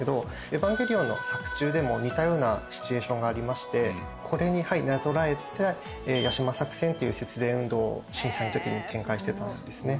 『エヴァンゲリオン』の作中でも似たようなシチュエーションがありましてこれになぞらえたヤシマ作戦という節電運動を震災の時に展開してたんですね。